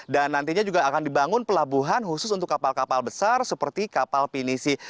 dan nantinya juga akan dibangun pelabuhan khusus untuk kapal kapal besar seperti kapal pinisi